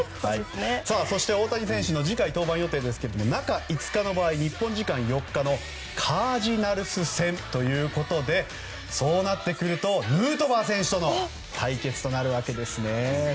そして大谷選手の次回登板予定ですが中５日の場合日本時間４日のカージナルス戦ということでそうなってくるとヌートバー選手との対決となるわけですね。